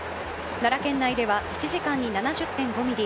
奈良県内では１時間に７０．５ミリ。